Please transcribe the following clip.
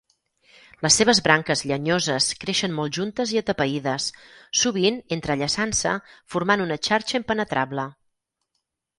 Les seves branques llenyoses creixen molt juntes i atapeïdes, sovint entrellaçant-se formant una xarxa impenetrable.